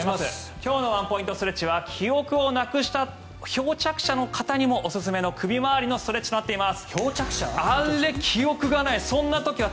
今日のワンポイントストレッチは記憶をなくした漂着者の方にもおすすめの首回りのストレッチとなっています。